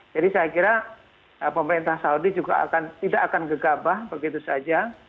jadi saya kira pemerintah saudi juga tidak akan gegabah begitu saja